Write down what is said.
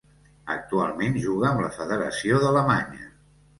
Actualment juga amb la federació d'Alemanya.